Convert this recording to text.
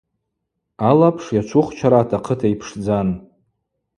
Алапш йачвухчара атахъыта йпшдзан.